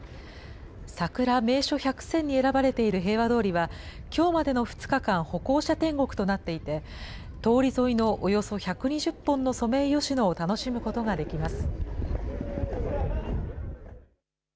さくら名所１００選に選ばれている平和通りは、きょうまでの２日間、歩行者天国となっていて、通り沿いのおよそ１２０本のソメイヨシノを楽しむことができます。